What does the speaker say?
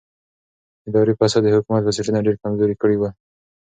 اداري فساد د حکومت بنسټونه ډېر کمزوري کړي ول.